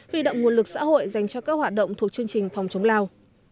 huy động nguồn lực xã hội dành cho các hoạt động thuộc chương trình phòng chống lao